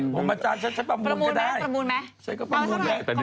ผมมาจ่ายฉันประมูลก็ได้